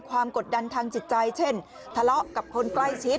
กดดันทางจิตใจเช่นทะเลาะกับคนใกล้ชิด